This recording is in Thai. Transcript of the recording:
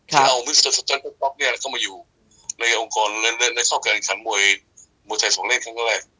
ถ้าเอามิสเตอร์ซัตเตอร์ต๊อคเข้ามาอยู่ในองค์กรเล่นในข้อการขันมวยมวยไทยสองเล่นครั้งแรก